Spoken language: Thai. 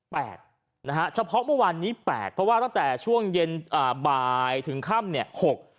นะฮะเฉพาะเมื่อวานนี้แปดเพราะว่าตั้งแต่ช่วงเย็นอ่าบ่ายถึงค่ำเนี่ยหก